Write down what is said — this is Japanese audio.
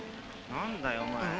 何だよお前。